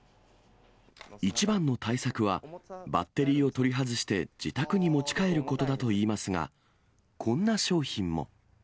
一番の対策は、バッテリーを取り外して、自宅に持ち帰ることだといいますが、こんな商品も。